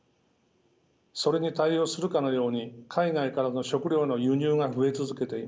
それに対応するかのように海外からの食料の輸入が増え続けています。